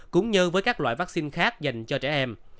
cũng như với các loại vaccine khác dành cho trẻ em